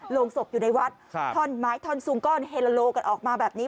โรงศพอยู่ในวัดท่อนไม้ท่อนซุงก้อนเฮโลกันออกมาแบบนี้